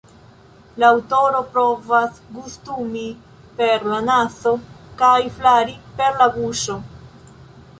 La aŭtoro provas gustumi per la nazo kaj flari per la buŝo.